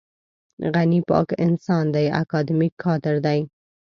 غني پاک انسان دی اکاډمیک کادر دی.